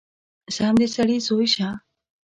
سم د سړي زوی شه!!!